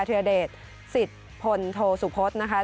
เทียเดชสิทธิ์พลโธสุพฤษนะคะ